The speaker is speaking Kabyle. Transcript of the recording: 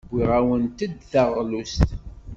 Wwiɣ-awent-d taɣlust.